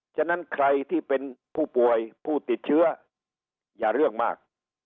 ฉะนั้นใครที่เป็นผู้ป่วยผู้ติดเชื้ออย่าเรื่องมาก